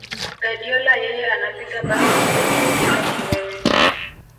Guardiola yeye anapiga pasi nyingi kukutia kiwewe